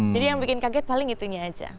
jadi yang bikin kaget paling itunya aja